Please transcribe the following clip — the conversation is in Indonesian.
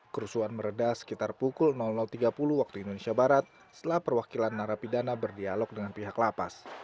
kerusuhan meredah sekitar pukul tiga puluh waktu indonesia barat setelah perwakilan narapidana berdialog dengan pihak lapas